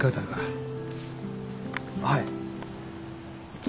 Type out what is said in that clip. はい。